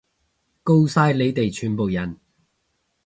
吿晒你哋全部人！